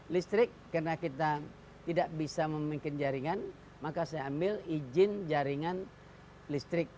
listrik karena kita tidak bisa membuat jaringan maka saya ambil izin jaringan listrik